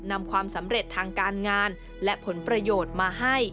นำความสำเร็จทางการงานและผลประโยชน์มาให้